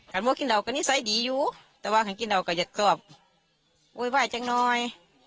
กันว่ากินเหล่ากันนิสัยดีอยู่แต่ว่ากินเหล่าก็อยากสอบโอ้ยจังหน่อย